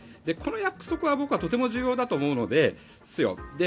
この約束は僕はとても重要だと思うんです。